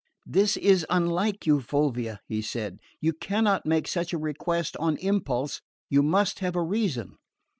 "This is unlike you, Fulvia," he said. "You cannot make such a request on impulse. You must have a reason."